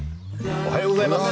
おはようございます。